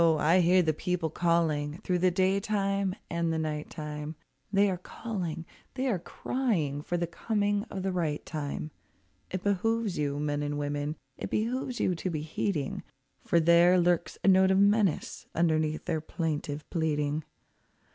I hear the people calling through the day time and the night time, They are calling, they are crying for the coming of the right time. It behooves you, men and women, it behooves you to be heeding, For there lurks a note of menace underneath their plaintive pleading.